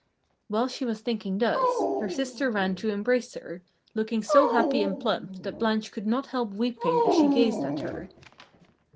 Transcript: While she was thinking thus, her sister ran to embrace her, looking so happy and plump that Blanche could not help weeping as she gazed at her.